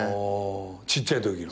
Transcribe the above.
ちっちゃいときの？